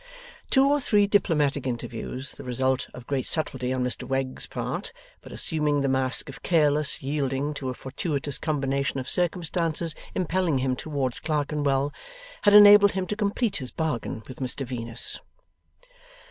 Two or three diplomatic interviews, the result of great subtlety on Mr Wegg's part, but assuming the mask of careless yielding to a fortuitous combination of circumstances impelling him towards Clerkenwell, had enabled him to complete his bargain with Mr Venus.